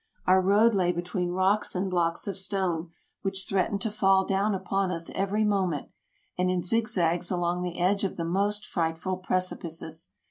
Our road lay between rocks and blocks of stone, which threatened to fall down upon us every moment, and in zigzags along the edge of the most frightful precipices.